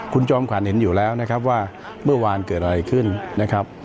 คุณจอมขวัญเห็นอยู่แล้วนะครับว่าเมื่อวานเกิดอะไรขึ้นนะครับ